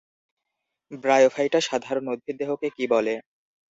Bryophyta সাধারণ উদ্ভিদদেহকে কী বলে?